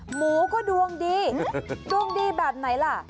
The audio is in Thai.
หมูก็ดวงดีดวงดีแบบไหนล่ะ